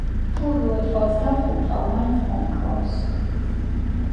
თუ ორივე თვალს დავუხატავ, მაინც მომკლავს